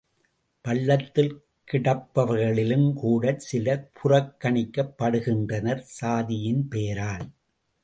பள்ளத்தில் கிடப்பவர்களிலும் கூடச் சிலர் புறக்கணிக்கப் படுகின்றனர் சாதியின் பெயரால்!